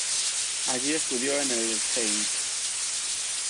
Allí estudió en el St.